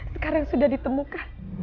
sekarang sudah ditemukan